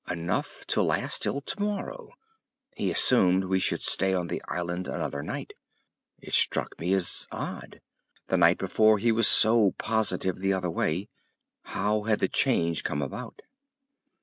"Enough to last till tomorrow"—he assumed we should stay on the island another night. It struck me as odd. The night before he was so positive the other way. How had the change come about?